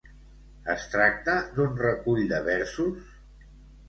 Es tracta d'un recull de versos?